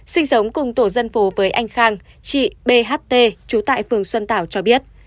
sinh sống cùng tổ dân phố với anh khang chị bht trú tại phường xuân tảo cho biết